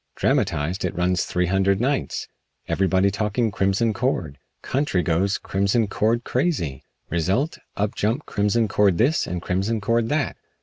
Dramatized, it runs three hundred nights. Everybody talking Crimson Cord. Country goes Crimson Cord crazy. Result up jump Crimson Cord this and Crimson Cord that.